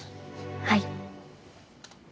はい。